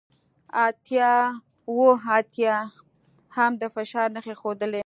اتیا اوه اتیا هم د فشار نښې ښودلې